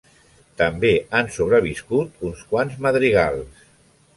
També han sobreviscut uns quants madrigals.